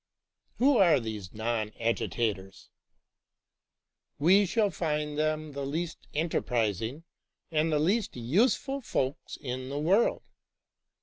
Who are these non agitators? We shall find them the least enterprising and the least useful folks in the world.